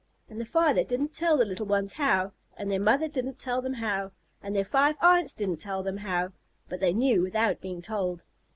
And their father didn't tell the little ones how, and their mother didn't tell them how, and their five aunts didn't tell them how, but they knew without being told.